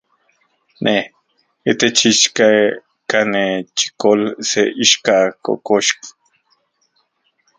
Ne, itech ichkanechikol, se ixka kokoxki.